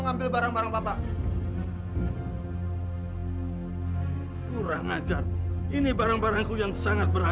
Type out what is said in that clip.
nanti kalau dia masuk ke rumah saya baru kita tangkap bosnya